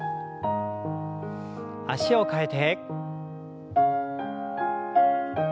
脚を替えて。